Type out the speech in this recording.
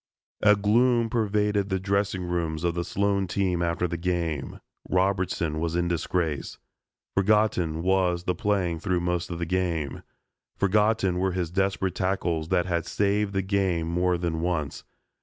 A gloom pervaded the dressing rooms of the Sloan team after the game. Robertson was in disgrace. Forgotten was the playing through most of the game. Forgotten were his desperate tackles that had saved the game more than once.